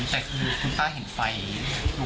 แต่คุณต้าเห็นไฟอย่างนี้